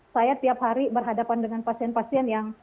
saya tiap hari berhadapan dengan pasien pasien yang